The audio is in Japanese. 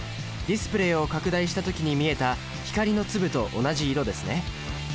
ディスプレイを拡大した時に見えた光の粒と同じ色ですね。